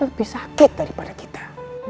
lebih sakit daripada kita